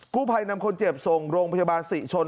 ผู้ภัยนำคนเจ็บส่งโรงพยาบาลศรีชน